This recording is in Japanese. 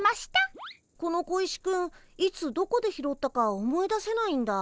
この小石くんいつどこで拾ったか思い出せないんだ。